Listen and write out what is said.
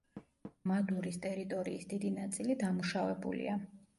მადურის ტერიტორიის დიდი ნაწილი დამუშავებულია.